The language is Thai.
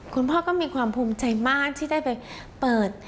คุณพ่อก็มีความภูมิใจมากที่ได้ไปเปิด